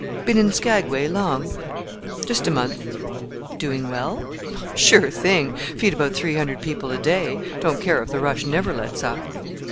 "Been in Skagway long?" "Just a month." "Doing well?" "Sure thing! feed about three hundred people a day. Don't care if the rush never lets up."